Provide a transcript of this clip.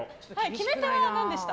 決め手は何でした？